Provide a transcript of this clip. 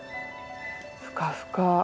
ふかふか。